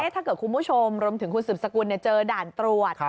ถ้าเกิดคุณผู้ชมรวมถึงคุณสืบสกุลเจอด่านตรวจ